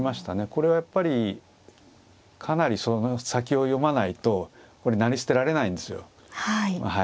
これはやっぱりかなりその先を読まないと成り捨てられないんですよ。